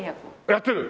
やってる？